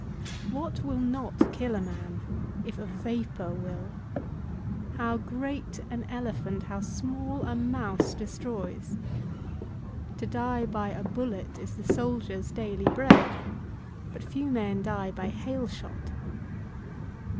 What will not kill a man if a vapour will? How great an elephant, how small a mouse destroys! To die by a bullet is the soldier's daily bread; but few men die by hail shot.